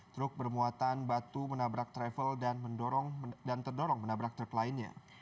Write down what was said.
truk bermuatan batu menabrak travel dan terdorong menabrak truk lainnya